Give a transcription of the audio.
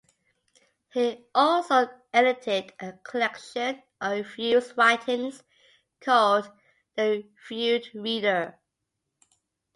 He also edited a collection of Freud's writings called "The Freud Reader".